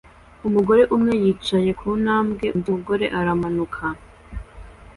Umugore umwe yicaye ku ntambwe undi mugore aramanuka